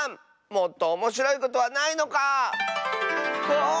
もっとおもしろいことはないのか⁉ああっ。